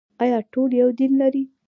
آیا ټول یو دین لري؟